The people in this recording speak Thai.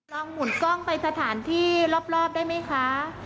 หมุนกล้องไปสถานที่รอบได้ไหมคะ